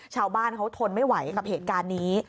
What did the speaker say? ชาวบ้านเขาทนไม่ไหวกับเหตุการณ์นี้